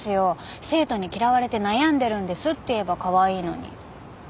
「生徒に嫌われて悩んでるんです」って言えばカワイイのに。